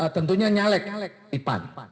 tentunya nyalek di pan